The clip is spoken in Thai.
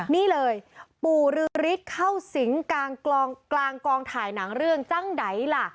นี่เลยปู่ฤทธิ์เข้าสิงกลางกองถ่ายหนังเรื่องจังใดล่ะ